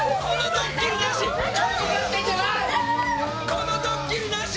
このドッキリなし！